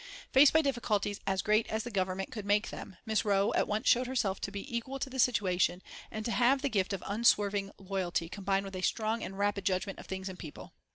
Faced by difficulties as great as the Government could make them, Miss Roe at once showed herself to be equal to the situation, and to have the gift of unswerving loyalty combined with a strong and rapid judgment of things and people.